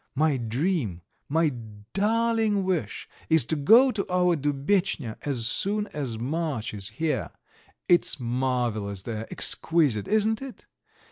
My dream, my darling wish, is to go to our Dubetchnya as soon as March is here. It's marvellous there, exquisite, isn't it?